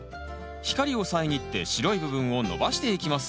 光を遮って白い部分を伸ばしていきます